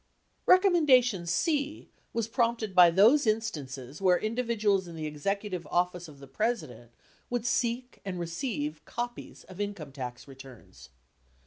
Recommendation (c) was prompted by those instances where indi viduals in the Executive Office of the President would seek and receive copies of income tax returns.